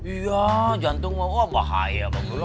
iya jantung bapak bahaya bang duluh